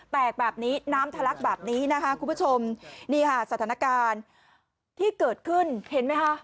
แตกแบบนี้น้ำทะลักแบบนี้นะคะคุณผู้ชมนี่ค่ะสถานการณ์ที่เกิดขึ้นเห็นไหมคะ